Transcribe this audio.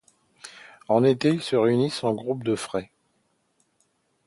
En été, ils se réunissent en groupes de frai.